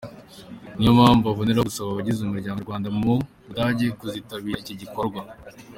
Niyo mpamvu aboneraho gusaba abagize umuryango nyarwanda mu Budage kuzitabira iki gikorwa.